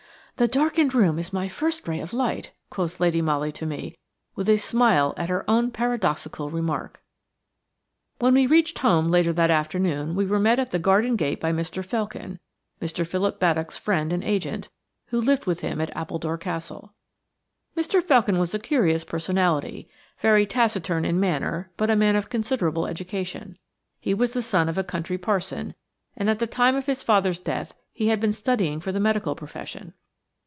"The darkened room is my first ray of light," quoth Lady Molly to me, with a smile at her own paradoxical remark. When we reached home later that afternoon we were met at the garden gate by Mr. Felkin, Mr. Philip Baddock's friend and agent, who lived with him at Appledore Castle. Mr. Felkin was a curious personality; very taciturn in manner but a man of considerable education. He was the son of a country parson, and at the time of his father's death he had been studying for the medical profession.